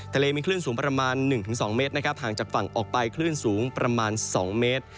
ทะเลมีคลื่นสูงประมาณ๑๒เมตรนะครับห่างจากฝั่งออกไปคลื่นสูงประมาณ๒เมตร